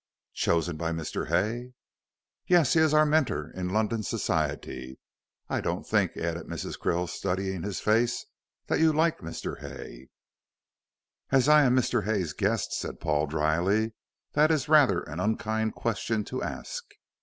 "Chosen by Mr. Hay?" "Yes! He is our mentor in London Society. I don't think," added Mrs. Krill, studying his face, "that you like Mr. Hay." "As I am Mr. Hay's guest," said Paul, dryly, "that is rather an unkind question to ask."